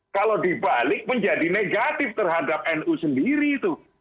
kalau dibalik menjadi negatif terhadap nu sendiri itu